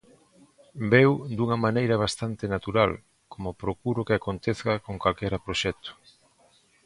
Veu dunha maneira bastante natural, como procuro que aconteza con calquera proxecto.